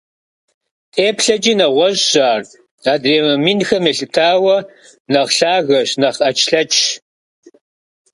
ТеплъэкӀи нэгъуэщӀщ ар, адрей номинхэм елъытауэ, нэхъ лъагэщ, нэхъ Ӏэчлъэчщ.